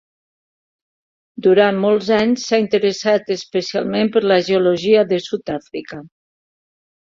Durant molts anys s'ha interessat especialment per la geologia de Sud-àfrica.